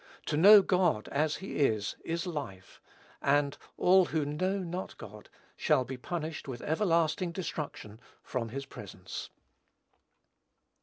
To know God as he is, is life; and "all who know not God" shall be "punished with everlasting destruction from his presence."